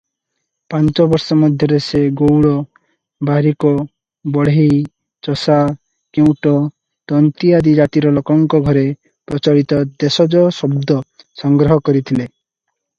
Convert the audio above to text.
ପାଞ୍ଚ ବର୍ଷ ମଧ୍ୟରେ ସେ ଗଉଡ଼, ବାରିକ, ବଢ଼େଇ, ଚଷା, କେଉଟ, ତନ୍ତୀ ଆଦି ଜାତିର ଲୋକଙ୍କ ଘରେ ପ୍ରଚଳିତ ଦେଶଜ ଶବ୍ଦ ସଂଗ୍ରହ କରିଥିଲେ ।